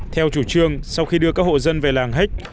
theo chủ trương sau khi đưa các hộ dân về làng hếch